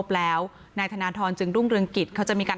ประโยคพิชาพูดให้จบก่อน